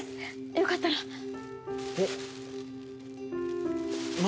よかったらおっ何？